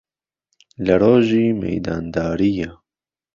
لە رۆژی مەیداندارییە